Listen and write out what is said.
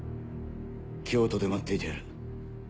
京都で待っていてやる。